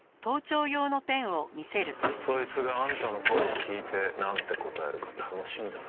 そいつがあんたの声を聞いてなんて答えるか楽しみだな。